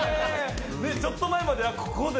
ちょっと前ではここで。